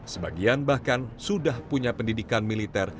sebagian bahkan sudah punya pendidikan militer